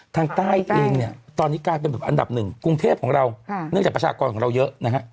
ทางใต้เองเนี่ยตอนนี้กลายเป็นแบบอันดับหนึ่งกรุงเทพของเราเนื่องจากประชากรของเราเยอะนะฮะ